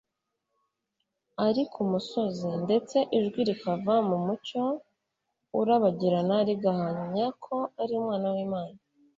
ari ku musozi, ndetse ijwi rikava mu mucyo urabagirana rigahamya ko ari Umwana w'Imana,